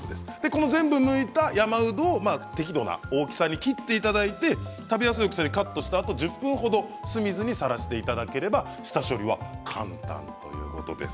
この全部むいた山うどを適度な大きさに切っていただいて食べやすい大きさにカットしたあと１０分ほど酢水にさらしていただければ下処理は簡単ということで。